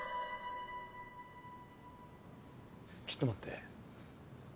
ちょっと待って。